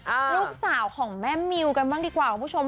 ลูกสาวของแม่มิวกันบ้างดีกว่าคุณผู้ชม